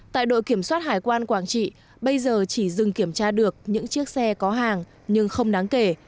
tại đội kiểm soát hải quan quảng trị bây giờ chỉ dừng kiểm tra được những chiếc xe có hàng nhưng không đáng kể